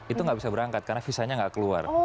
itu enggak bisa berangkat karena visa nya enggak keluar